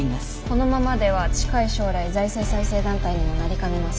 このままでは近い将来財政再生団体にもなりかねません。